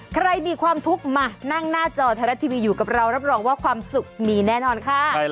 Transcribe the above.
ใครมีความทุกข์มานั่งหน้าจอไทยรัฐทีวีอยู่กับเรารับรองว่าความสุขมีแน่นอนค่ะ